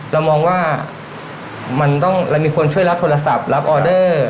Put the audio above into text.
เรามองว่ามันต้องเรามีคนช่วยรับโทรศัพท์รับออเดอร์